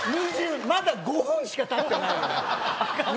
まだ５分しかたってない。